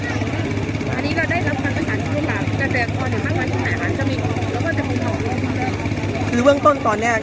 สวัสดีครับทุกคนวันนี้เกิดขึ้นทุกวันนี้นะครับ